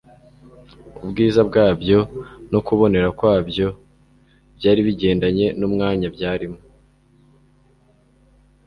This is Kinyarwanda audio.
ubwiza bwabyo no kubonera kwabyo byari bigendanye n'umwanya byarimo.